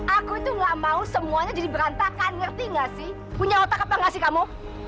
aku tuh nggak mau semuanya jadi berantakan ngerti nggak sih punya otak apa kasih kamu